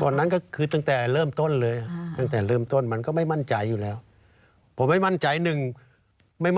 ก่อนนั้นคืออะไรครับ